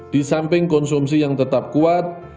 di samping konsumsi yang tetap kuat